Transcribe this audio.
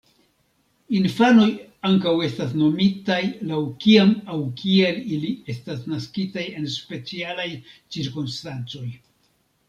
Infanoj ankaŭ estas nomitaj laŭ kiam aŭ kiel ili estas naskitaj en specialaj cirkonstancoj.